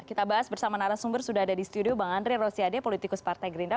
kita bahas bersama narasumber sudah ada di studio bang andre rosiade politikus partai gerindra